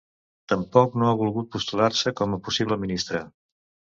Tampoc no ha volgut postular-se com a possible ministre.